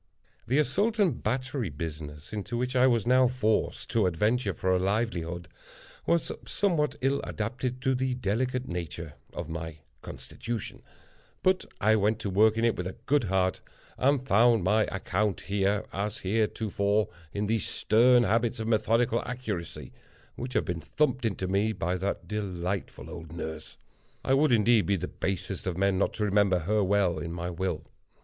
The Assault and Battery business, into which I was now forced to adventure for a livelihood, was somewhat ill adapted to the delicate nature of my constitution; but I went to work in it with a good heart, and found my account here, as heretofore, in those stern habits of methodical accuracy which had been thumped into me by that delightful old nurse—I would indeed be the basest of men not to remember her well in my will.